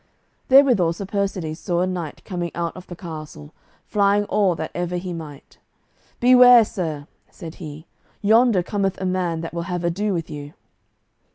Therewithal Sir Persides saw a knight coming out of the castle, flying all that ever he might. "Beware, sir," said he; "yonder cometh a man that will have ado with you."